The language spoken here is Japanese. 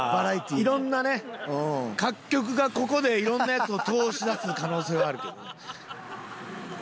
いろんなね各局がここでいろんなヤツを通しだす可能性はあるけどな。